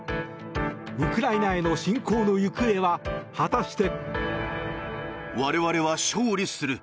ウクライナへの侵攻の行方は果たして。